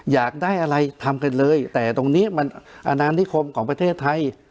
อยากได้อะไรทำกันเลยแต่ตรงนี้มันอนานิคมของประเทศไทย